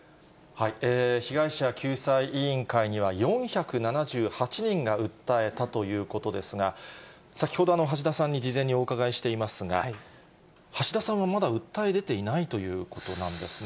被害者救済委員会には、４７８人が訴えたということですが、先ほど、橋田さんに事前にお伺いしていますが、橋田さんはまだ訴え出ていないということなんですね。